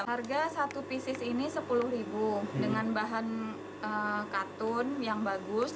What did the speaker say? harga satu pieces ini rp sepuluh dengan bahan katun yang bagus